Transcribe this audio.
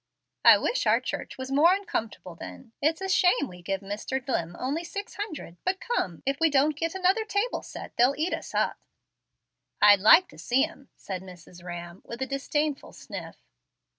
"I wish our church was more uncomfortable then. It's a shame we give Mr. Dlimm only six hundred. But come, if we don't git another table set they'll eat us up." "I'd like to see 'em," said Mrs. Rhamm, with a disdainful sniff.